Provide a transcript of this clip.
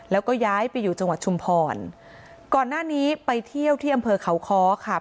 แล้วก็ย้ายไปอยู่จังหวัดชุมพรก่อนหน้านี้ไปเที่ยวที่อำเภอเขาค้อค่ะ